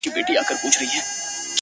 o زه هم خطا وتمه،